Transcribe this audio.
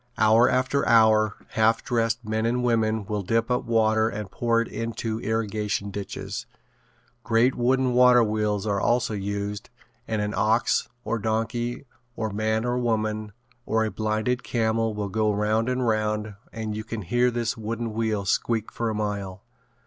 Hour after hour half dressed men and women will dip up water and pour it into irrigation ditches. Great wooden waterwheels are also used and an ox or donkey or man or woman or a blinded camel will go round and round and you can hear this wooden wheel squeak for a mile.